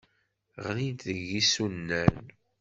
Ɣlint deg yisunan.